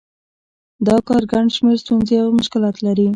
دا کار ګڼ شمېر ستونزې او مشکلات لري